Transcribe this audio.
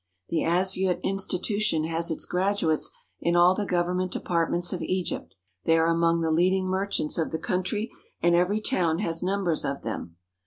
The Asyut institution has its graduates in all the gov ernment departments of Egypt. They are among the leading merchants of the country, and every town has numbers of them.